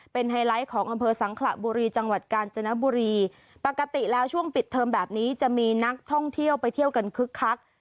เป็นไฮไลท์ของอำเภอสังขระบุรีจังหวัดกาญจนบุรีปกติแล้วช่วงปิดเทอมแบบนี้จะมีนักท่องเที่ยวไปเที่ยวกันคึกคัก